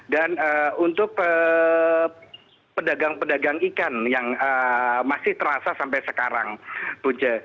dan untuk pedagang pedagang ikan yang masih terasa sampai sekarang bunce